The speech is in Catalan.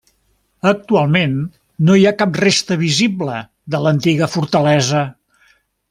Actualment no hi ha cap resta visible de l'antiga fortalesa.